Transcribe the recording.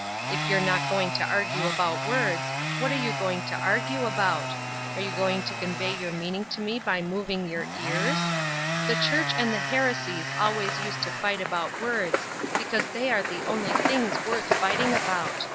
If you're not going to argue about words, what are you going to argue about? Are you going to convey your meaning to me by moving your ears? The Church and the heresies always used to fight about words, because they are the only things worth fighting about.